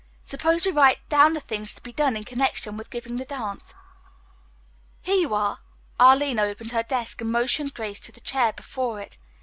"Suppose we write down the things to be done in connection with giving the dance." "Here you are." Arline opened her desk and motioned Grace to the chair before it.